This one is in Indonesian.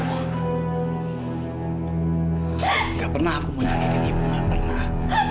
gak pernah aku mau nyakitin ibu gak pernah